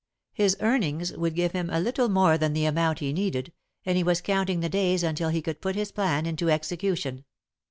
His earnings would give him a little more than the amount he needed, and he was counting the days until he could put his plan into execution.